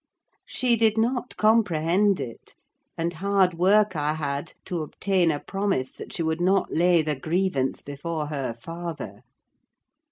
She did not comprehend it; and hard work I had to obtain a promise that she would not lay the grievance before her father.